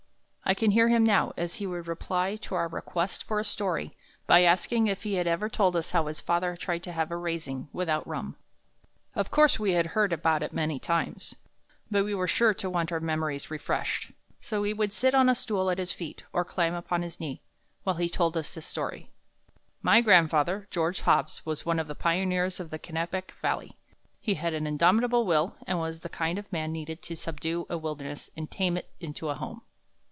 I can hear him now, as he would reply to our request for a story by asking if he had ever told us how his father tried to have a "raising" without rum. Of course we had heard about it many times, but we were sure to want our memories refreshed; so we would sit on a stool at his feet or climb upon his knee, while he told us this story: "My grandfather, George Hobbs, was one of the pioneers of the Kennebec Valley. He had an indomitable will, and was the kind of man needed to subdue a wilderness and tame it into a home.